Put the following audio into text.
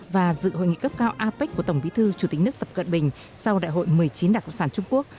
và dự hội nghị cấp cao apec của tổng bí thư chủ tịch nước tập cận bình sau đại hội một mươi chín đảng cộng sản trung quốc